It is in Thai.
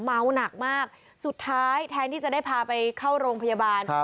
เมาหนักมากสุดท้ายแทนที่จะได้พาไปเข้าโรงพยาบาล